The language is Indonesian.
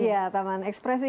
iya taman ekspresi